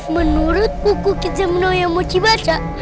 menurut buku kitzen no ya mochi baca